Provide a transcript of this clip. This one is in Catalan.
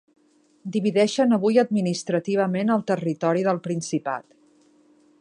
divideixen avui administrativament el territori del Principat